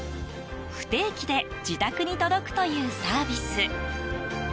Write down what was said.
不定期で自宅に届くというサービス。